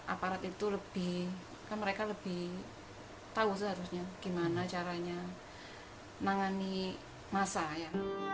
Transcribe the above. aparat itu lebih kan mereka lebih tahu seharusnya gimana caranya menangani masa ya